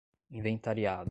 inventariado